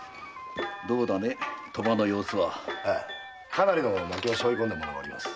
かなりの負けをしょい込んだ者がおります。